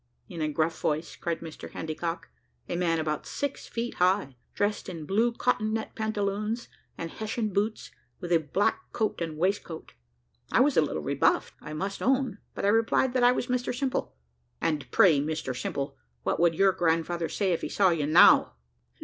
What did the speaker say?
in a gruff voice, cried Mr Handycock; a man about six feet high, dressed in blue cotton net pantaloons and Hessian boots, with a black coat and waistcoat. I was a little rebuffed, I must own, but I replied that I was Mr Simple. "And pray, Mr Simple, what would your grandfather say if he saw you now?"